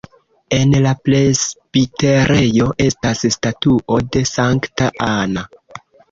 En la presbiterejo estas statuo de Sankta Anna.